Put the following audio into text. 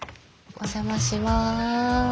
お邪魔します。